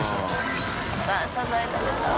わっサザエ食べたい。